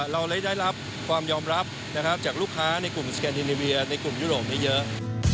เราเลยได้รับความยอมรับนะครับจากลูกค้าในกลุ่มสแกนดินิเวียในกลุ่มยุโรปนี้เยอะ